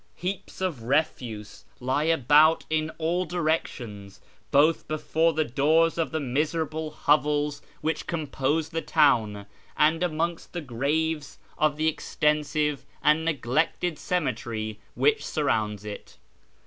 Heaps of refuse lie about in all directions, both before the doors of the miserable hoN'els which compose the town, and amon^^st the f,a'aves of the extensive and neglected cemetery which surrounds it.